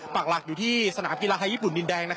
ปากหลักอยู่ที่สนามกีฬาไทยญี่ปุ่นดินแดง